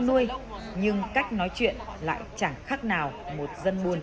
thế cả đầu làm chán chả buồn làm ý